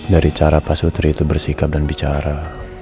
dari cara pak sutri itu bersikap dan bicara